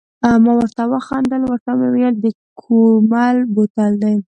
ما ورته و خندل، ورته مې وویل د کومل بوتل دی.